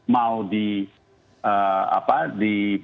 mau di apa di